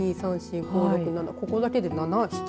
ここだけで７匹。